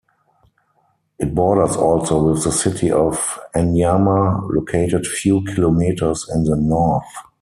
It borders also with the city of Anyama, located few kilometers in the north.